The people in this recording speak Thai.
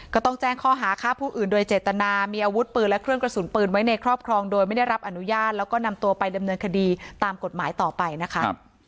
ก็ต้องแจ้งข้อหาฆ่าผู้อื่นโดยเจตนามีอาวุธปืนและเครื่องกระสุนปืนไว้ในครอบครองโดยไม่ได้รับอนุญาตแล้วก็นำตัวไปดำเนินคดีตามกฎหมายต่อไปนะคะ